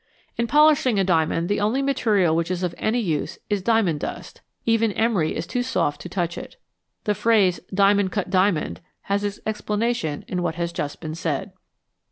In polishing a diamond the only material which is of any use is diamond dust ; even emery is too soft to touch it. The phrase " diamond cut diamond " has its explanation in what has just been said.